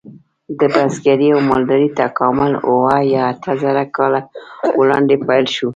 د بزګرۍ او مالدارۍ تکامل اوه یا اته زره کاله وړاندې پیل شو.